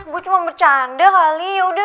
gue cuma bercanda kali yaudah